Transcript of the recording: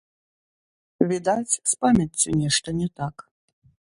Відаць, з памяццю нешта не так.